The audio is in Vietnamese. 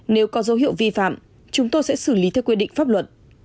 nếu có dấu hiệu vi phạm chúng tôi sẽ xử lý theo quy định pháp luật